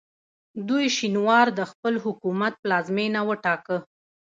دوی شینوار د خپل حکومت پلازمینه وټاکه.